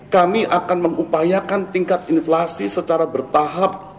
kami akan mengupayakan tingkat inflasi secara bertahap